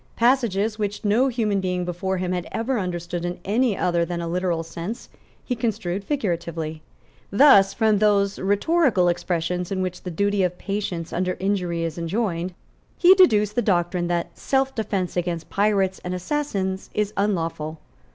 Passages, which no human being before him had ever understood in any other than a literal sense, he construed figuratively. Thus, from those rhetorical expressions in which the duty of patience under injuries is enjoined he deduced the doctrine that selfdefence against pirates and assassins is unlawful.